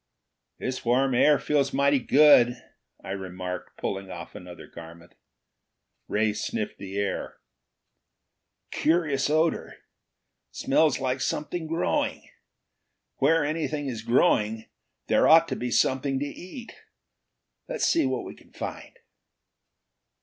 "This warm air feels mighty good," I remarked, pulling off another garment. Ray sniffed the air. "A curious odor. Smells like something growing. Where anything is growing there ought to be something to eat. Let's see what we can find."